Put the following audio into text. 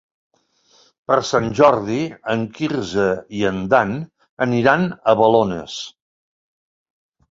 Per Sant Jordi en Quirze i en Dan aniran a Balones.